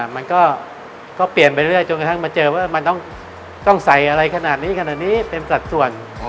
มันก็เปลี่ยนไปเรื่อยจนกระทั่งมาเจอว่ามันต้องใส่อะไรขนาดนี้ขนาดนี้เป็นสัดส่วน